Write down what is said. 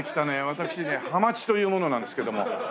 私ねハマチという者なんですけども。